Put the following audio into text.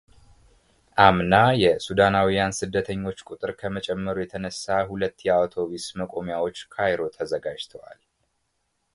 አምና የሱዳናውያን ስደተኞች ቁጥር ከመጨመሩ የተነሳ ሁለት የአውቶብስ መቆሚያዎች ካይሮ ተዘጋጅተዋል።